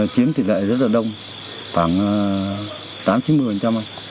chiếm tỷ lệ rất là đông khoảng tám chín mươi